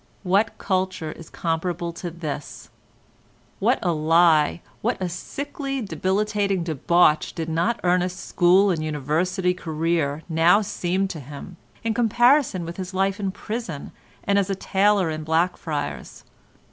What culture is comparable to this? What a lie, what a sickly debilitating debauch did not Ernest's school and university career now seem to him, in comparison with his life in prison and as a tailor in Blackfriars.